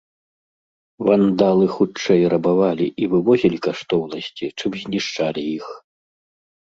Вандалы хутчэй рабавалі і вывозілі каштоўнасці, чым знішчалі іх.